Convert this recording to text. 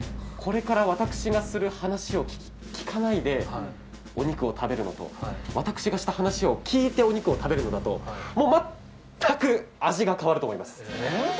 これから私がする話を聞かないでお肉を食べるのと私がした話を聞いてお肉を食べるのだとまったく味が変わると思います。